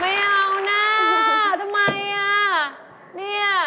ไม่เอานะทำไมน่ะ